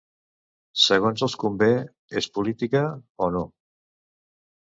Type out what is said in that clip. Segons els convé, és política. O no.